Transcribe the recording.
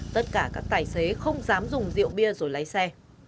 tất cả các tài xế không dám dùng rượu bia rồi lái xe